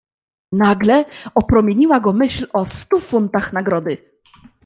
"Nagle opromieniła go myśl o stu funtach nagrody."